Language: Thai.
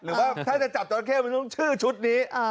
หรือว่าถ้าจะจับจราเข้มันต้องชื่อชุดนี้